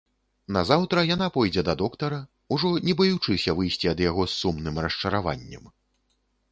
Назаўтра яна пойдзе да доктара, ужо не баючыся выйсці ад яго з сумным расчараваннем.